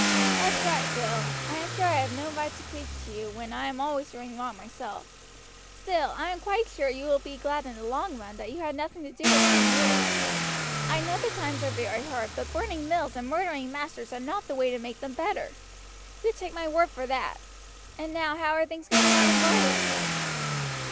"That's right, Bill; I am sure I have no right to preach to you when I am always doing wrong myself; still I am quite sure you will be glad in the long run that you had nothing to do with King Lud. I know the times are very hard, but burning mills and murdering masters are not the way to make them better; you take my word for that. And now how are things going on in Varley?"